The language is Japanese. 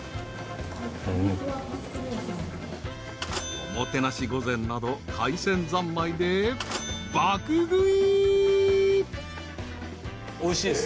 ［おもてなし御膳など海鮮三昧で爆食い］